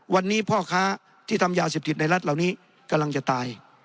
วันนี้พ่อค้าที่ทำยาเสพติดในรัฐเหล่านี้กำลังจะตาย